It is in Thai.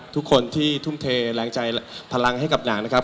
ทุกคนที่ทุ่มเทแรงใจพลังให้กับหนังนะครับ